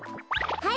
はい！